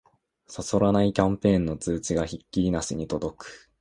そそらないキャンペーンの通知がひっきりなしに届く